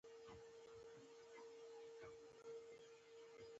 د بوسو انبار وخوځېد او جوزف ترې راووت